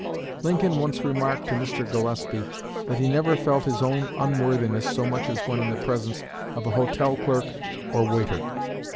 Lincoln once remarked to Mr. Gillespie that he never felt his own unworthiness so much as when in the presence of a hotel clerk or waiter.